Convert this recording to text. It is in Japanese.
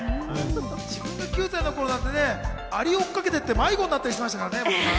自分が９歳の頃なんて、アリを追いかけて迷子になったりしてましたからね。